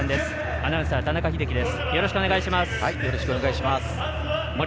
アナウンサー、田中秀樹です。